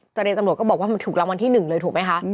เจรจังหลวดก็บอกว่ามันถูกรางวัลที่หนึ่งเลยถูกไหมคะ